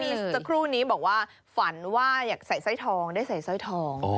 มีสักครู่นี้บอกว่าฝันว่าอยากใส่สร้อยทองได้ใส่สร้อยทอง